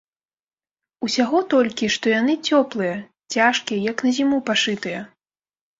Усяго толькі, што яны цёплыя, цяжкія, як на зіму пашытыя.